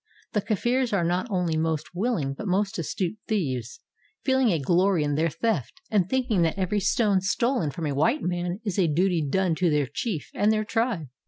The Kafirs are not only most willing but most astute thieves, feeling a glory in their theft, and thinking that every stone stolen from a white man is a duty done to their chief and their tribe.